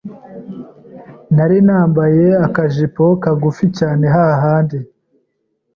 nari nambaye akajipo kagufi cyane hahandi